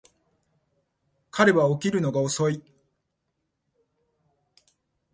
彼は起きるのが遅い